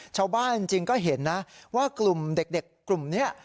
ชาวบ้านจริงก็เห็นนะว่ากลุ่มเด็กกลุ่มนี้